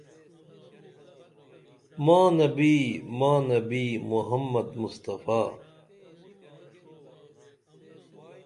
ما نبی ما نبی محمد مصطفےٰ